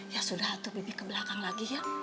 ya sudah tuh bibi ke belakang lagi ya